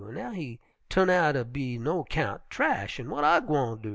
An' now he turn out ter be no kyount trash, an' w'at I gwine do?